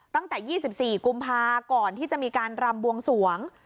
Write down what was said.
ตั้งแต่๒๔กุมภาก่อนที่จะมีการรำบวงสวง